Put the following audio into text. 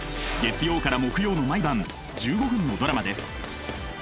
月曜から木曜の毎晩１５分のドラマです。